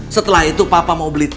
setelah itu papa mau beli